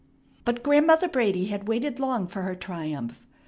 But Grandmother Brady had waited long for her triumph.